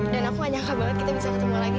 dan aku gak nyangka banget kita bisa ketemu lagi